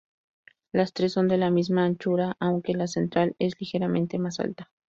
Las tres son de la misma anchura aunque la central es ligeramente más alta.